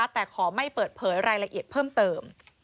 แต่ขอไม่เปิดเผยรายละเอียดเพิ่มเติม